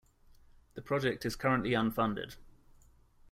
The project is currently unfunded.